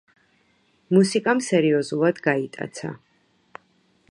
მუსიკამ სერიოზულად გაიტაცა.